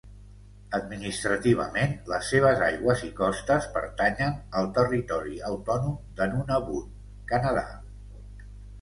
Administrativament les seves aigües i costes pertanyen al territori autònom de Nunavut, Canadà.